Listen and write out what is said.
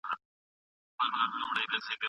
د نرمغالي مابينځ کي مي خپلي غونډې ولیدلې.